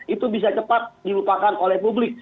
itu bisa cepat dilupakan oleh publik